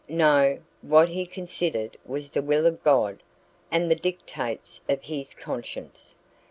No, what he considered was the will of God and the dictates of his conscience.